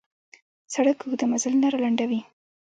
سړک اوږده مزلونه را لنډوي.